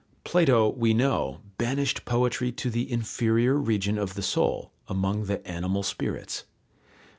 Plato, we know, banished poetry to the inferior region of the soul, among the animal spirits.